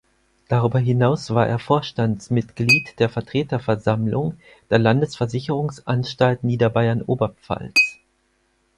Darüber hinaus war er Vorstandsmitglied der Vertreterversammlung der Landesversicherungsanstalt Niederbayern-Oberpfalz.